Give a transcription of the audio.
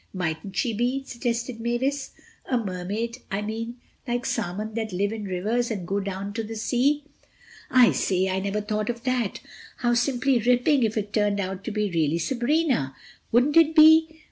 "Mightn't she be?" suggested Mavis. "A Mermaid, I mean. Like salmon that live in rivers and go down to the sea." "I say, I never thought of that. How simply ripping if it turned out to be really Sabrina—wouldn't it be?